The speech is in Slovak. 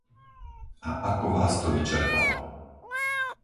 A ako vás to vyčerpalo!